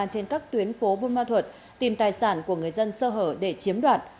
trên các tuyến phố bôn ma thuật tìm tài sản của người dân sơ hở để chiếm đoạt